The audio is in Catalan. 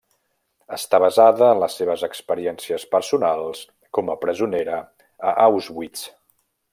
Està basada en les seves experiències personals com a presonera a Auschwitz.